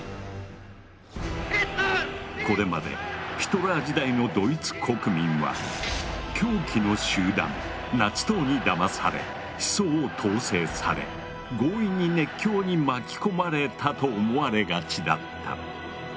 これまでヒトラー時代のドイツ国民は狂気の集団ナチ党にだまされ思想を統制され強引に熱狂に巻き込まれたと思われがちだった。